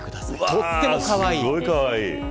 とってもかわいい。